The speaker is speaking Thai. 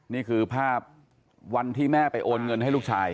นี่คือภาพวันที่แม่ไปโอนเงินให้ลูกชาย